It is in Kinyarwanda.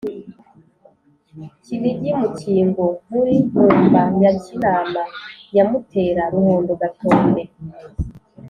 Kinigi Mukingo Nkuli Nkumba Nyakinama Nyamutera Ruhondo Gatonde